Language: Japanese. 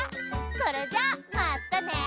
それじゃまたね。